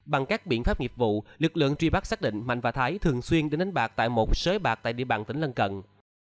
bằng các biện pháp nghiệp vụ lực lượng truy bắt xác định mạnh và thái thường xuyên đến đánh bạc tại một sới bạc tại địa bàn tỉnh lân cận